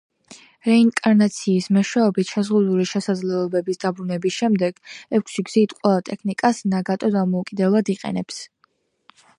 რეინკარნაციის მეშვეობით შეზღუდული შესაძლებლობების დაბრუნების შემდეგ, ექვსი გზის ყველა ტექნიკას ნაგატო დამოუკიდებლად იყენებს.